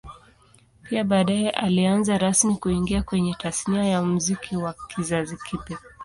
Pia baadae alianza rasmi kuingia kwenye Tasnia ya Muziki wa kizazi kipya